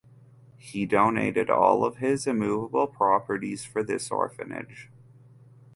He donated all of his immovable properties for this orphanage.